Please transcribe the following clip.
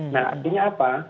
nah artinya apa